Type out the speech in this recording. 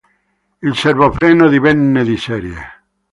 Il servofreno divenne di serie.